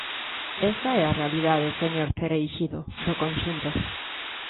Esa é a realidade, señor Cereixido, do conxunto.